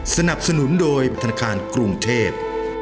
สนับสนุนโดยธนาคารกรุงเทพ